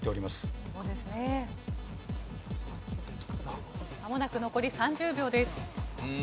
まもなく残り３０秒です。